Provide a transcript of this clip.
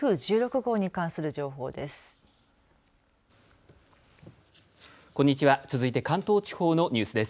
台風１６号に関する情報です。